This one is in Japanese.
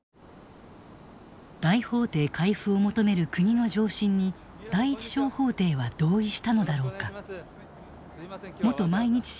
大法廷回付を求める国の上申に第一小法廷は同意したのだろうか。